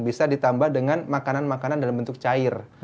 bisa ditambah dengan makanan makanan dalam bentuk cair